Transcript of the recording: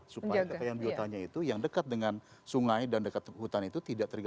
supaya kekayaan biotanya itu yang dekat dengan sungai dan dekat hutan itu tidak terganggu